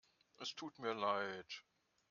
Es tut mir leid.